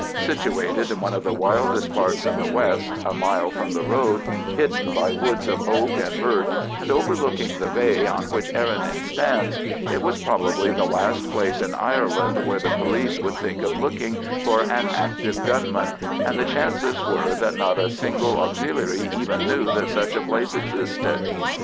Situated in one of the wildest parts of the west, a mile from the road, hidden by woods of oak and birch, and overlooking the bay on which Errinane stands, it was probably the last place in Ireland where the police would think of looking for an active gunman, and the chances were that not a single Auxiliary even knew that such a place existed.